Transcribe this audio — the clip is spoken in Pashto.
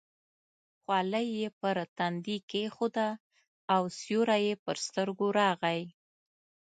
خولۍ یې پر تندي کېښوده او سیوری یې پر سترګو راغی.